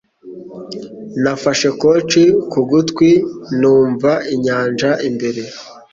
Nafashe conch ku gutwi numva inyanja imbere